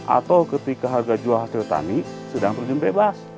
atau ketika harga jual hasil tani sedang terjun bebas